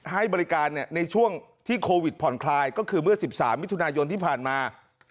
ให้บริการในช่วงที่โควิดผ่อนคลายก็คือเมื่อ๑๓มิถุนายนที่ผ่านมา